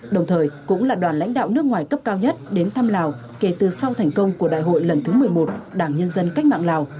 đồng thời cũng là đoàn lãnh đạo nước ngoài cấp cao nhất đến thăm lào kể từ sau thành công của đại hội lần thứ một mươi một đảng nhân dân cách mạng lào